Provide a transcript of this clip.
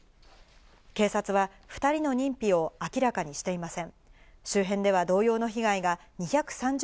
警察は２人の認否を明らかにしていません。